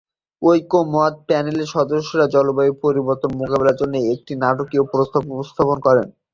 ঐকমত্য প্যানেলের সদস্যরা জলবায়ু পরিবর্তন মোকাবেলার জন্য একটি নাটকীয় প্রস্তাব উপস্থাপন করেন।